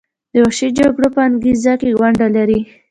د وحشي جګړو په انګیزه کې ونډه لري.